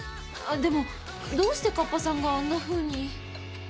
でもどうして河童さんがあんなふうに？